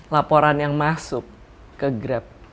laporan yang masuk ke grab